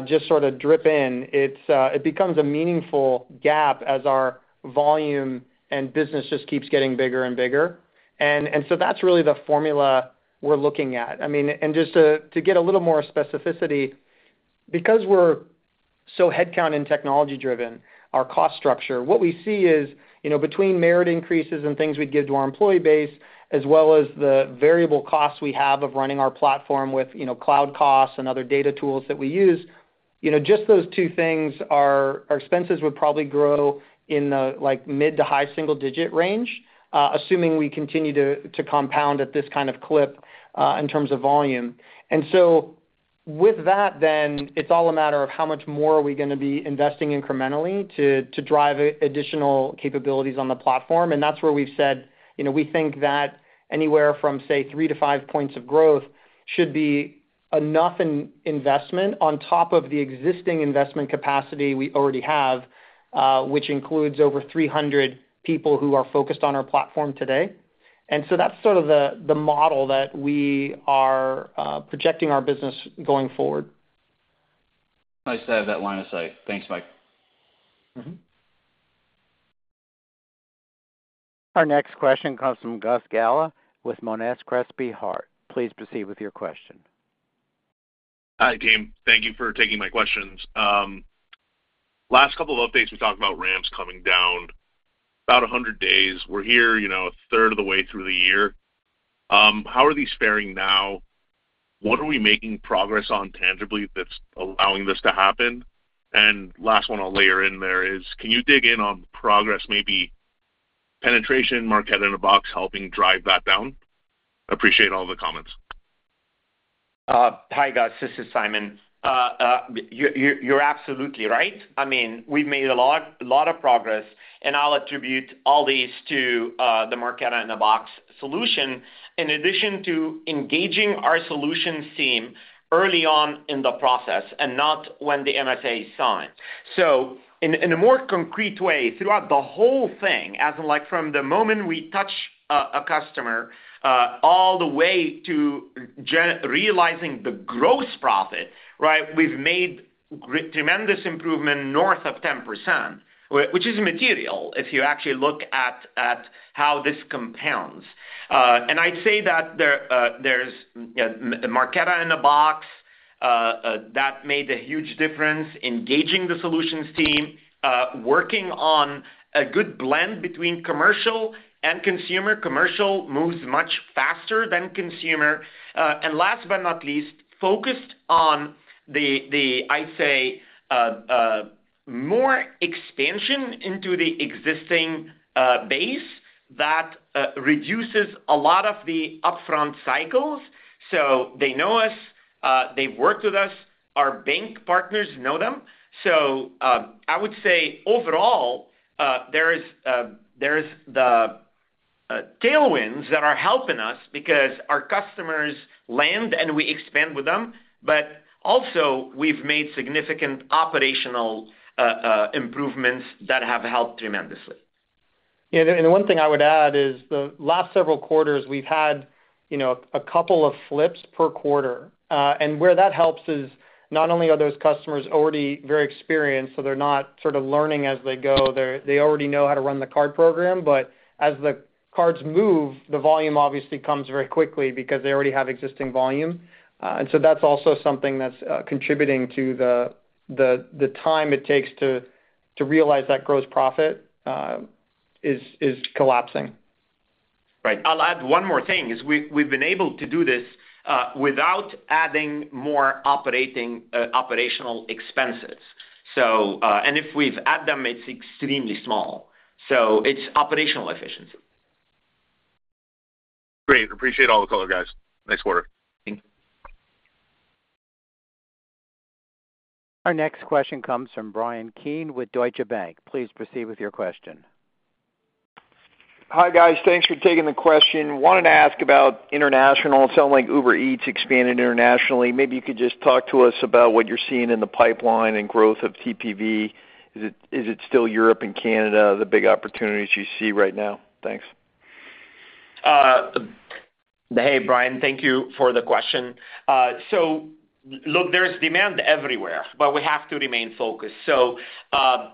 just sort of drip in. It becomes a meaningful gap as our volume and business just keeps getting bigger and bigger. And so that's really the formula we're looking at. I mean, just to get a little more specificity, because we're so headcount and technology-driven, our cost structure, what we see is between merit increases and things we'd give to our employee base as well as the variable costs we have of running our platform with cloud costs and other data tools that we use, just those two things, our expenses would probably grow in the mid- to high single-digit range, assuming we continue to compound at this kind of clip in terms of volume. And so with that, then, it's all a matter of how much more are we going to be investing incrementally to drive additional capabilities on the platform. That's where we've said we think that anywhere from, say, 3-5 points of growth should be enough investment on top of the existing investment capacity we already have, which includes over 300 people who are focused on our platform today. So that's sort of the model that we are projecting our business going forward. Nice to have that line to say. Thanks, Mike. Our next question comes from Gus Gala with Monness Crespi Hardt. Please proceed with your question. Hi, team. Thank you for taking my questions. Last couple of updates, we talked about ramps coming down about 100 days. We're here a third of the way through the year. How are these faring now? What are we making progress on tangibly that's allowing this to happen? And last one I'll layer in there is, can you dig in on progress, maybe penetration, Marqeta in a Box helping drive that down? Appreciate all the comments. Hi, Gus. This is Simon. You're absolutely right. I mean, we've made a lot of progress, and I'll attribute all these to the Marqeta in a Box solution in addition to engaging our solution team early on in the process and not when the MSA is signed. So in a more concrete way, throughout the whole thing, as in from the moment we touch a customer all the way to realizing the gross profit, right, we've made tremendous improvement north of 10%, which is material if you actually look at how this compounds. And I'd say that there's Marqeta in a Box that made a huge difference, engaging the solutions team, working on a good blend between commercial and consumer. Commercial moves much faster than consumer. And last but not least, focused on the, I'd say, more expansion into the existing base that reduces a lot of the upfront cycles. So they know us. They've worked with us. Our bank partners know them. So I would say overall, there are the tailwinds that are helping us because our customers land and we expand with them. But also, we've made significant operational improvements that have helped tremendously. Yeah. And the one thing I would add is the last several quarters, we've had a couple of flips per quarter. And where that helps is not only are those customers already very experienced, so they're not sort of learning as they go. They already know how to run the card program. But as the cards move, the volume obviously comes very quickly because they already have existing volume. And so that's also something that's contributing to the time it takes to realize that gross profit is collapsing. Right. I'll add one more thing is we've been able to do this without adding more operational expenses. And if we've added them, it's extremely small. So it's operational efficiency. Great. Appreciate all the color, guys. Nice work. Thank you. Our next question comes from Bryan Keane with Deutsche Bank. Please proceed with your question. Hi, guys. Thanks for taking the question. Wanted to ask about international. It sounded like Uber Eats expanded internationally. Maybe you could just talk to us about what you're seeing in the pipeline and growth of TPV. Is it still Europe and Canada the big opportunities you see right now? Thanks. Hey, Brian. Thank you for the question. So look, there's demand everywhere, but we have to remain focused. So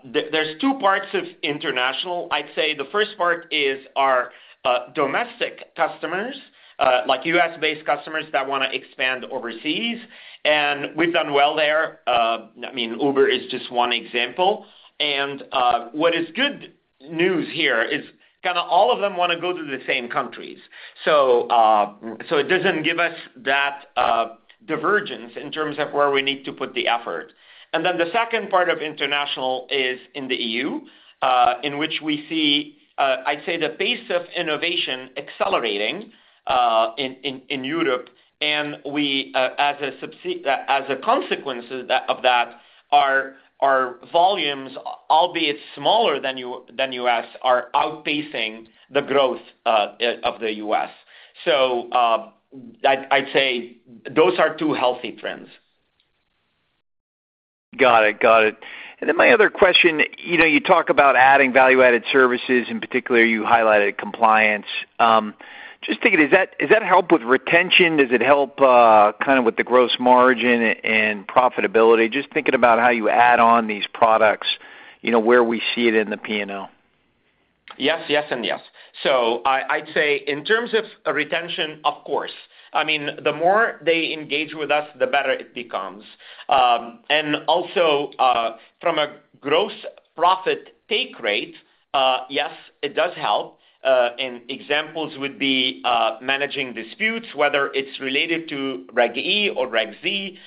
there's two parts of international. I'd say the first part is our domestic customers, U.S.-based customers that want to expand overseas. And we've done well there. I mean, Uber is just one example. And what is good news here is kind of all of them want to go to the same countries. So it doesn't give us that divergence in terms of where we need to put the effort. And then the second part of international is in the E.U., in which we see, I'd say, the pace of innovation accelerating in Europe. And as a consequence of that, our volumes, albeit smaller than U.S., are outpacing the growth of the U.S. So I'd say those are two healthy trends. Got it. Got it. And then my other question, you talk about adding value-added services. In particular, you highlighted compliance. Just thinking, does that help with retention? Does it help kind of with the gross margin and profitability? Just thinking about how you add on these products, where we see it in the P&L. Yes, yes, and yes. So I'd say in terms of retention, of course. I mean, the more they engage with us, the better it becomes. And also, from a gross profit take rate, yes, it does help. And examples would be managing disputes, whether it's related to Reg E or Reg Z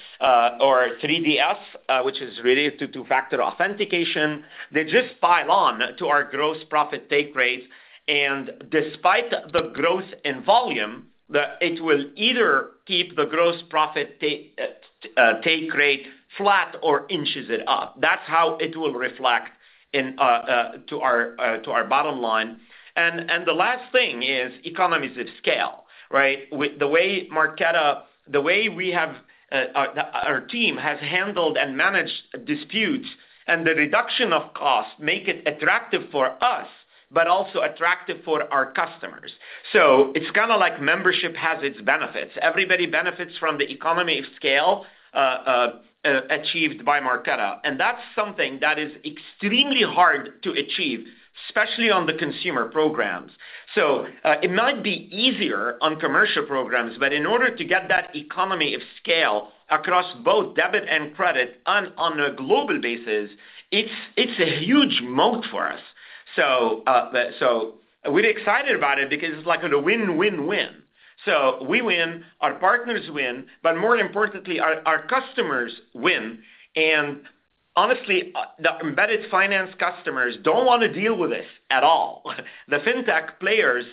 or 3DS, which is related to two-factor authentication. They just pile on to our gross profit take rates. And despite the growth in volume, it will either keep the gross profit take rate flat or inches it up. That's how it will reflect to our bottom line. And the last thing is economies of scale, right? The way Marqeta, the way we have our team has handled and managed disputes and the reduction of costs make it attractive for us but also attractive for our customers. So it's kind of like membership has its benefits. Everybody benefits from the economy of scale achieved by Marqeta. That's something that is extremely hard to achieve, especially on the consumer programs. It might be easier on commercial programs, but in order to get that economy of scale across both debit and credit on a global basis, it's a huge moat for us. We're excited about it because it's like a win-win-win. We win. Our partners win. But more importantly, our customers win. Honestly, the embedded finance customers don't want to deal with this at all. The fintech players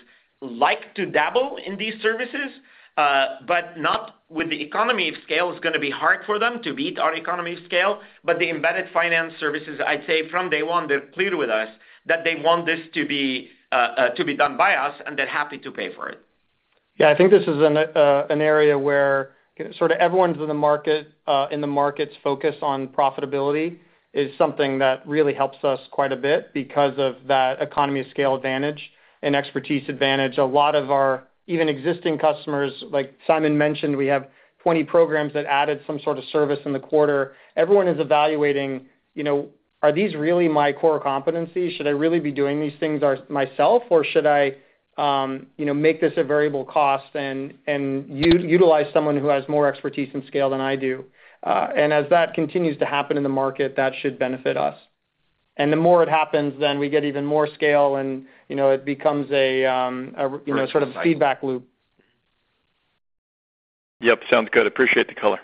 like to dabble in these services, but not with the economy of scale. It's going to be hard for them to beat our economy of scale. The embedded finance services, I'd say from day one, they're clear with us that they want this to be done by us and they're happy to pay for it. Yeah. I think this is an area where sort of everyone's in the market's focus on profitability is something that really helps us quite a bit because of that economy of scale advantage and expertise advantage. A lot of our even existing customers, like Simon mentioned, we have 20 programs that added some sort of service in the quarter. Everyone is evaluating, "Are these really my core competencies? Should I really be doing these things myself, or should I make this a variable cost and utilize someone who has more expertise and scale than I do?" And as that continues to happen in the market, that should benefit us. And the more it happens, then we get even more scale, and it becomes a sort of feedback loop. Yep. Sounds good. Appreciate the color.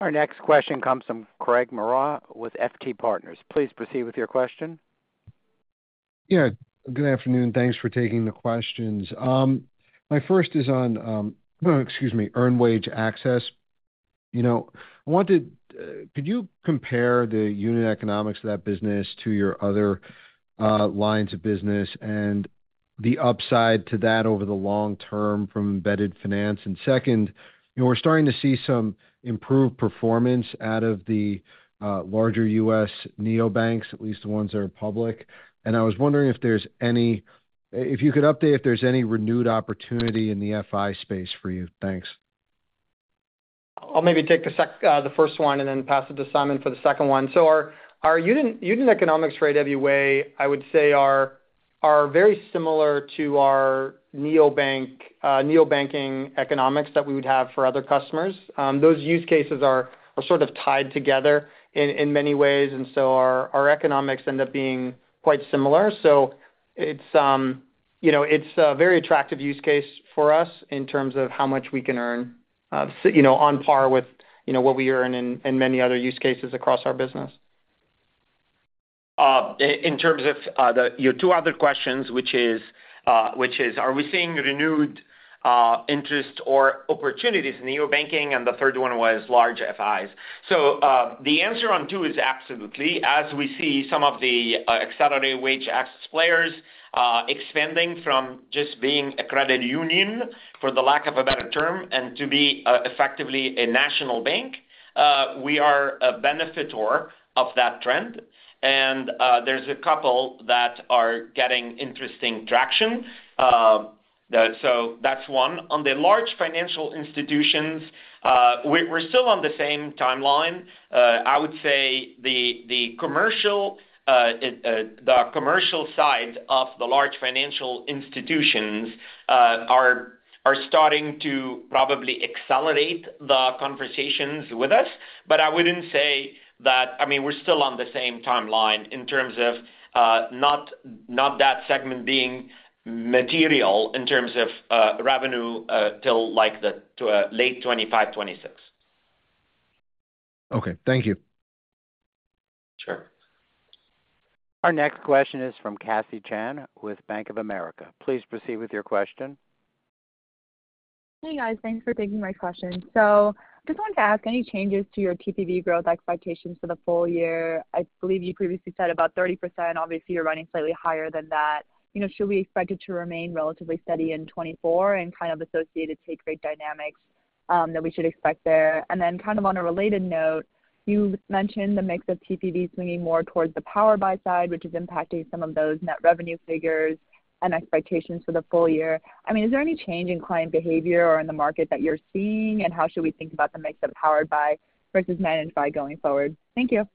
Our next question comes from Craig Maurer with FT Partners. Please proceed with your question. Yeah. Good afternoon. Thanks for taking the questions. My first is on, excuse me, earned wage access. I wanted to, could you compare the unit economics of that business to your other lines of business and the upside to that over the long term from embedded finance? And second, we're starting to see some improved performance out of the larger U.S. neobanks, at least the ones that are public. And I was wondering if you could update if there's any renewed opportunity in the FI space for you. Thanks. I'll maybe take the first one and then pass it to Simon for the second one. So our unit economics for AWA, I would say, are very similar to our neobanking economics that we would have for other customers. Those use cases are sort of tied together in many ways. And so our economics end up being quite similar. So it's a very attractive use case for us in terms of how much we can earn on par with what we earn in many other use cases across our business. In terms of your two other questions, which is, are we seeing renewed interest or opportunities in neobanking? And the third one was large FIs. So the answer on two is absolutely. As we see some of the accelerated wage access players expanding from just being a credit union, for the lack of a better term, and to be effectively a national bank, we are a beneficiary of that trend. And there's a couple that are getting interesting traction. So that's one. On the large financial institutions, we're still on the same timeline. I would say the commercial side of the large financial institutions are starting to probably accelerate the conversations with us. But I wouldn't say that I mean, we're still on the same timeline in terms of not that segment being material in terms of revenue till late 2025, 2026. Okay. Thank you. Sure. Our next question is from Cassie Chan with Bank of America. Please proceed with your question. Hey, guys. Thanks for taking my question. So I just wanted to ask, any changes to your TPV growth expectations for the full-year? I believe you previously said about 30%. Obviously, you're running slightly higher than that. Should we expect it to remain relatively steady in 2024 and kind of associated take-rate dynamics that we should expect there? And then kind of on a related note, you mentioned the mix of TPV swinging more towards the powered-by side, which is impacting some of those net revenue figures and expectations for the full-year. I mean, is there any change in client behavior or in the market that you're seeing? And how should we think about the mix of powered-by versus managed-by going forward? Thank you.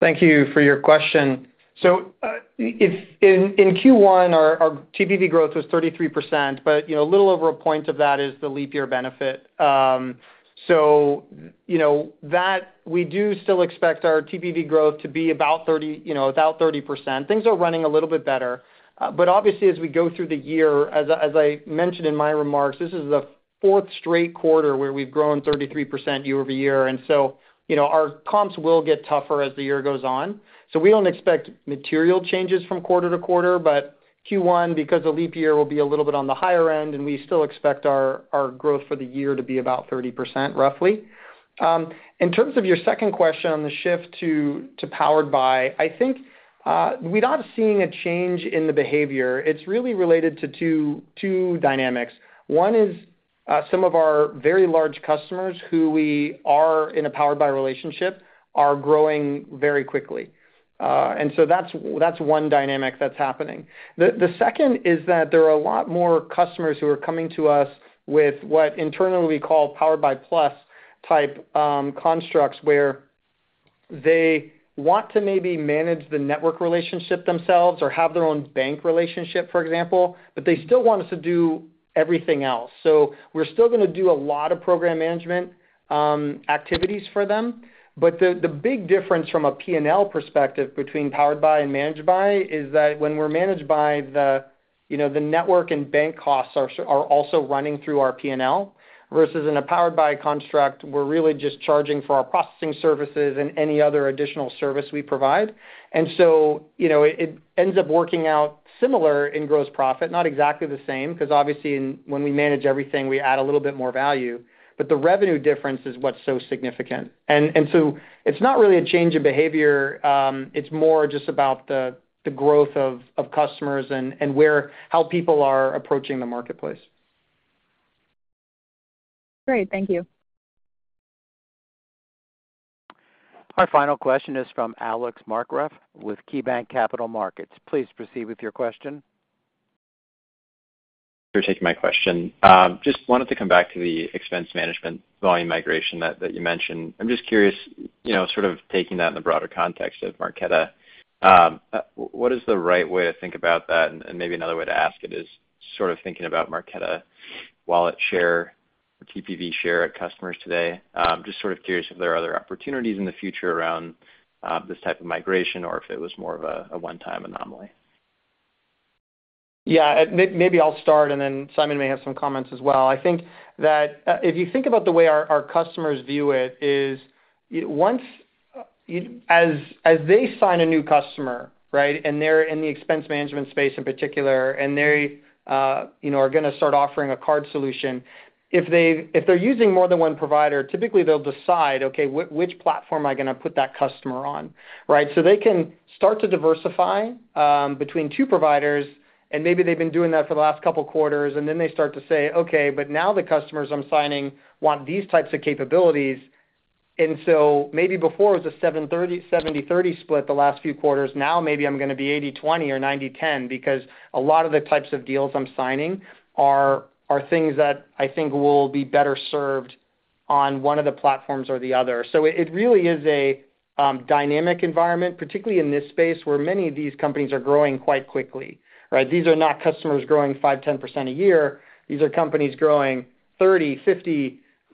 Thank you for your question. So in Q1, our TPV growth was 33%, but a little over a point of that is the leap year benefit. So we do still expect our TPV growth to be about 30%. Things are running a little bit better. But obviously, as we go through the year, as I mentioned in my remarks, this is the fourth straight quarter where we've grown 33% year-over-year. And so our comps will get tougher as the year goes on. So we don't expect material changes from quarter to quarter. But Q1, because the leap year will be a little bit on the higher end, and we still expect our growth for the year to be about 30%, roughly. In terms of your second question on the shift to powered by, I think we're not seeing a change in the behavior. It's really related to two dynamics. One is some of our very large customers who we are in a Powered by relationship are growing very quickly. And so that's one dynamic that's happening. The second is that there are a lot more customers who are coming to us with what internally we call Powered by plus type constructs where they want to maybe manage the network relationship themselves or have their own bank relationship, for example, but they still want us to do everything else. So we're still going to do a lot of program management activities for them. But the big difference from a P&L perspective between Powered by and Managed by is that when we're Managed by, the network and bank costs are also running through our P&L versus in a Powered by construct, we're really just charging for our processing services and any other additional service we provide. And so it ends up working out similar in gross profit, not exactly the same because obviously, when we manage everything, we add a little bit more value. But the revenue difference is what's so significant. And so it's not really a change in behavior. It's more just about the growth of customers and how people are approaching the marketplace. Great. Thank you. Our final question is from Alex Markgraff with KeyBanc Capital Markets. Please proceed with your question. Thanks for taking my question. Just wanted to come back to the expense management volume migration that you mentioned. I'm just curious, sort of taking that in the broader context of Marqeta, what is the right way to think about that? And maybe another way to ask it is sort of thinking about Marqeta wallet share or TPV share at customers today. Just sort of curious if there are other opportunities in the future around this type of migration or if it was more of a one-time anomaly? Yeah. Maybe I'll start, and then Simon may have some comments as well. I think that if you think about the way our customers view it is as they sign a new customer, right, and they're in the expense management space in particular, and they are going to start offering a card solution, if they're using more than one provider, typically, they'll decide, "Okay, which platform am I going to put that customer on?" Right? So they can start to diversify between two providers. And maybe they've been doing that for the last couple of quarters. And then they start to say, "Okay, but now the customers I'm signing want these types of capabilities." And so maybe before it was a 70/30 split the last few quarters. Now maybe I'm going to be 80/20 or 90/10 because a lot of the types of deals I'm signing are things that I think will be better served on one of the platforms or the other. So it really is a dynamic environment, particularly in this space where many of these companies are growing quite quickly, right? These are not customers growing 5%, 10% a year. These are companies growing 30%,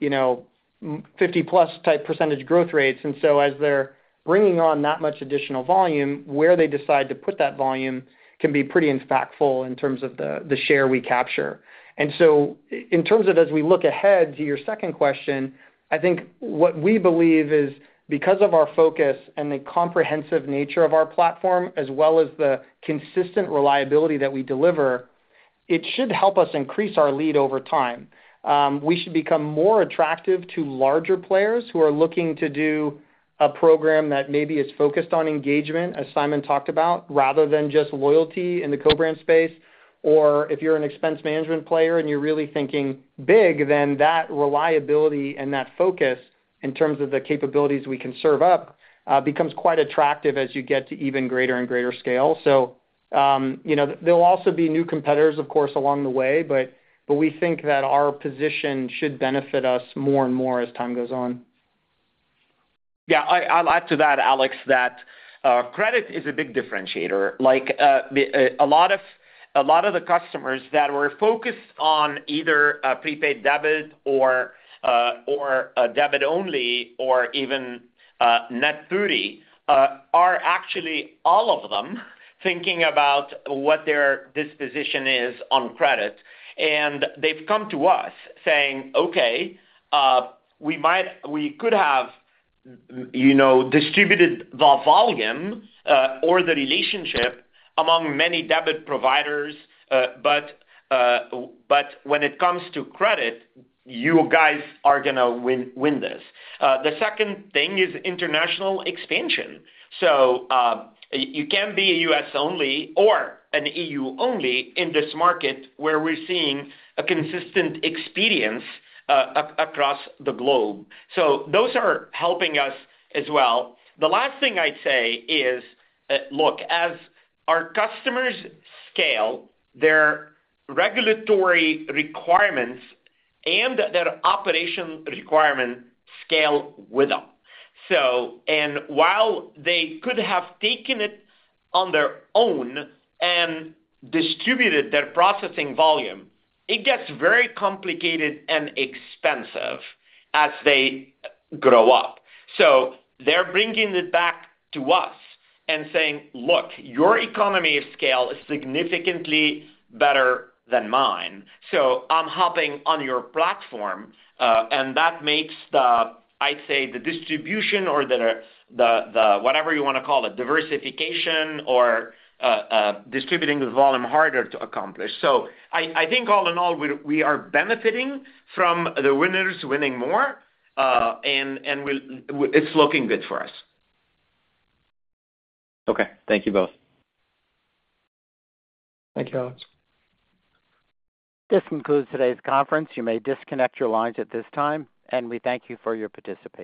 +50% type percentage growth rates. And so as they're bringing on that much additional volume, where they decide to put that volume can be pretty impactful in terms of the share we capture. In terms of as we look ahead to your second question, I think what we believe is because of our focus and the comprehensive nature of our platform as well as the consistent reliability that we deliver, it should help us increase our lead over time. We should become more attractive to larger players who are looking to do a program that maybe is focused on engagement, as Simon talked about, rather than just loyalty in the Co-brand space. If you're an expense management player and you're really thinking big, then that reliability and that focus in terms of the capabilities we can serve up becomes quite attractive as you get to even greater and greater scale. There'll also be new competitors, of course, along the way. But we think that our position should benefit us more and more as time goes on. Yeah. I'll add to that, Alex, that credit is a big differentiator. A lot of the customers that were focused on either prepaid debit or debit-only or even net 30 are actually all of them thinking about what their disposition is on credit. And they've come to us saying, "Okay, we could have distributed the volume or the relationship among many debit providers, but when it comes to credit, you guys are going to win this." The second thing is international expansion. So you can be a U.S.-only or an E.U.-only in this market where we're seeing a consistent experience across the globe. So those are helping us as well. The last thing I'd say is, look, as our customers scale, their regulatory requirements and their operation requirements scale with them. And while they could have taken it on their own and distributed their processing volume, it gets very complicated and expensive as they grow up. So they're bringing it back to us and saying, "Look, your economy of scale is significantly better than mine. So I'm hopping on your platform." And that makes, I'd say, the distribution or whatever you want to call it, diversification or distributing the volume harder to accomplish. So I think all in all, we are benefiting from the winners winning more. And it's looking good for us. Okay. Thank you both. Thank you, Alex. This concludes today's conference. You may disconnect your lines at this time. We thank you for your participation.